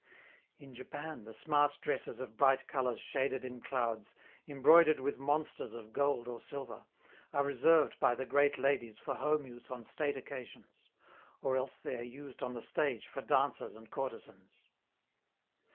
In Japan the smart dresses of bright colors shaded in clouds, embroidered with monsters of gold or silver, are reserved by the great ladies for home use on state occasions; or else they are used on the stage for dancers and courtesans.